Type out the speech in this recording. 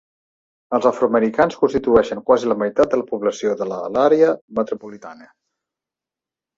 Els afroamericans constitueixen quasi la meitat de la població de l'àrea metropolitana.